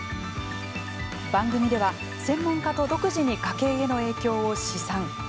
番組では、専門家と独自に家計への影響を試算。